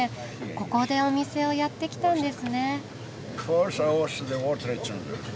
ここでお店をやってきたんですね。